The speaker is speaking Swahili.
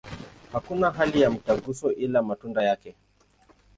Hakuna hati za mtaguso, ila matunda yake.